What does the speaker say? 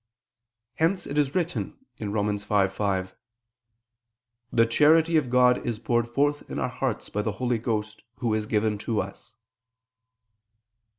Hence it is written (Rom. 5:5): "The charity of God is poured forth in our hearts by the Holy Ghost, Who is given to us."